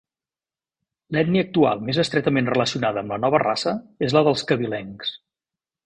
L'ètnia actual més estretament relacionada amb la nova raça és la dels cabilencs.